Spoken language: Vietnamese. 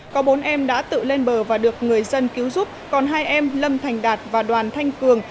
có bốn em đã tự lên bờ và được người dân cứu giúp còn hai em lâm thành đạt và đoàn thanh cường